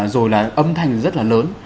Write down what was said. rồi là âm thanh rất là lớn